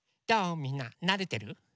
みんななれてる？